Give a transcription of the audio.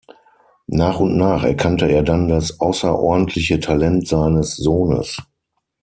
Nach und nach erkannte er dann das außerordentliche Talent seines Sohnes.